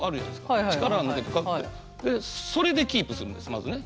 それでキープするんですまずね。